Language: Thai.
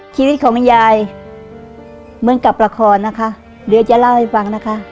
ชีวิตของแม่ยายเหมือนกับละครนะคะเดี๋ยวจะเล่าให้ฟังนะคะ